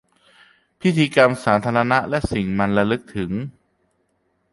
พิธีกรรมสาธารณะและสิ่งมันระลึกถึง